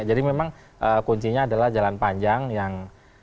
jadi memang kuncinya adalah jalan panjang yang